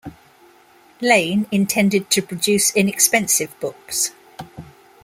Lane intended to produce inexpensive books.